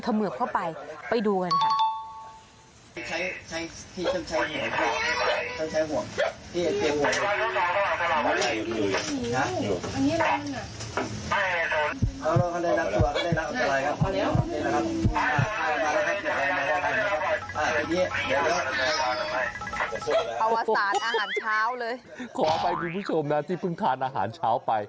ขออภัยดูผู้ชมที่เพิ่งทานอาหารเช้าไป